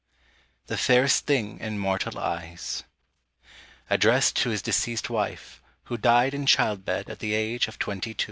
THE FAIREST THING IN MORTAL EYES. Addressed to his deceased wife, who died in childbed at the age of twenty two.